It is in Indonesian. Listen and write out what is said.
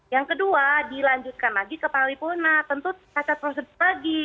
yang kedua dilanjutkan lagi ke paripurna tentu cacat prosedur lagi